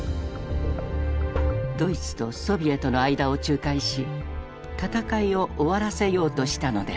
ドイツとソビエトの間を仲介し戦いを終わらせようとしたのである。